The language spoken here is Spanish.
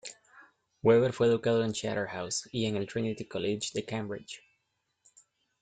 Weber fue educado en Charterhouse y en el Trinity College de Cambridge.